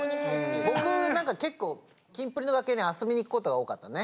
僕何か結構キンプリの楽屋に遊びに行くことが多かったね。